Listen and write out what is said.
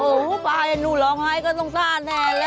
โอ้โฮเอาหนูหล่องไห้ก็สงสารแทน